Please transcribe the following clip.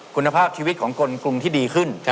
คุณภาพชีวิตของคนกรุงที่ดีขึ้น